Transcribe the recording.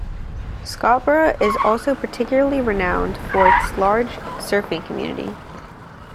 Scottburgh is also particularly renowned for its large surfing community.